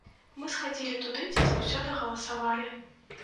Мы схадзілі туды, дзе заўсёды галасавалі.